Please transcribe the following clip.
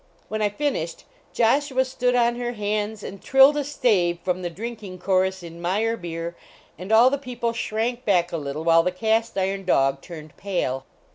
When I finished, Joshua stood on her hands and trilled a stave from the drinking chorus in "Meyerbeer," and all the people shrank back a little, while the cast iron dog turned pale.